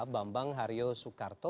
bambang hario soekarto